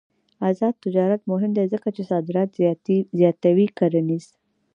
آزاد تجارت مهم دی ځکه چې صادرات زیاتوي کرنيز.